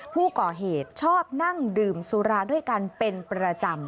ผู้ก่อเหตุชอบนั่งดื่มสุราด้วยกันเป็นประจำ